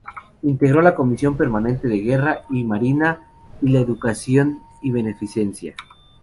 Integró la comisión permanente de Guerra y Marina, y la de Educación y Beneficencia.